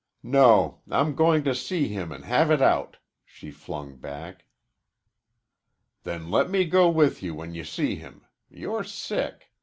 "No, I'm going to see him and have it out," she flung back. "Then let me go with you when you see him. You're sick.